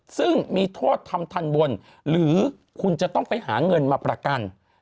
ซึ่งมีโทษทำทันบนหรือคุณจะต้องไปหาเงินมาประกัน